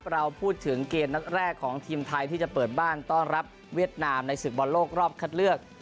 เราพูดถึงเกมนัดแรกของทีมไทยที่จะเปิดบ้านต้อนรับเวียดนามในศึกบอลโลกรอบคัดเลือก